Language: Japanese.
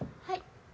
はい。